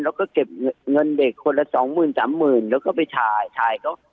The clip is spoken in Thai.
แล้วก็เก็บเงินเด็กคนละ๒๐๐๐๐๓๐๐๐๐แล้วก็ไปถ่ายถ่ายก็